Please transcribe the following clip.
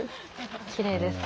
きれいですね。